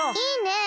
いいね！